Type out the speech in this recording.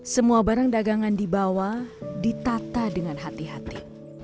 semua barang dagangan di bawah ditata dengan hati hati